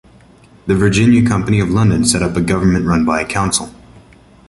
The Virginia Company of London set up a government run by a council.